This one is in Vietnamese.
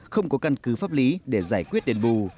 không có căn cứ pháp lý để giải quyết đền bù